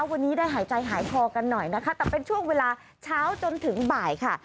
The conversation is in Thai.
วันนี้ได้หายใจหายคอกันหน่อยนะคะแต่เป็นช่วงเวลาเช้าจนถึงบ่ายค่ะ